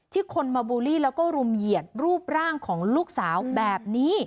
คนมาบูลลี่แล้วก็รุมเหยียดรูปร่างของลูกสาวแบบนี้